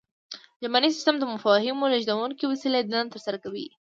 ژبنی سیستم د مفاهیمو د لیږدونکې وسیلې دنده ترسره کوي